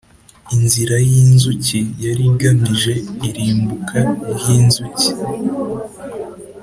inzira y’inzuki: yari igamije irumbuka ry’inzuki